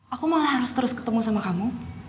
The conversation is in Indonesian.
aku malah harus terus ketemu sama kamu